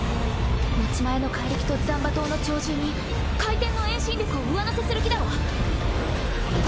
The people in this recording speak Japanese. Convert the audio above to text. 持ち前の怪力と斬馬刀の超重に回転の遠心力を上乗せする気だわ！